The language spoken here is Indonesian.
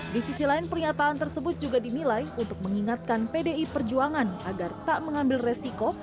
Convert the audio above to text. di sisi lain pernyataan tersebut juga dinilai untuk mengingatkan pdi perjuangan agar tak mengambil resiko